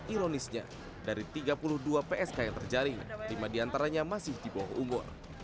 ironisnya dari tiga puluh dua psk yang terjaring lima diantaranya masih di bawah umur